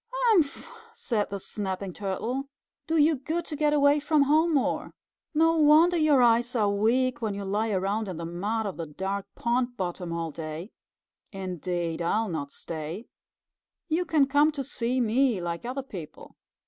"Humph!" said the Snapping Turtle. "Do you good to get away from home more. No wonder your eyes are weak, when you lie around in the mud of the dark pond bottom all day. Indeed, I'll not stay. You can come to see me like other people."